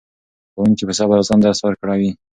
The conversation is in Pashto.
ښوونکي په صبر او زغم درس ورکوي.